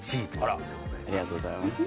ありがとうございます。